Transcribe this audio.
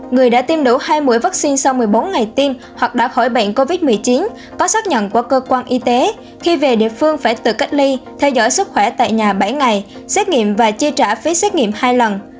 người đã tiêm đủ hai mũi vaccine sau một mươi bốn ngày tiêm hoặc đã khỏi bệnh covid một mươi chín có xác nhận của cơ quan y tế khi về địa phương phải tự cách ly theo dõi sức khỏe tại nhà bảy ngày xét nghiệm và chi trả phí xét nghiệm hai lần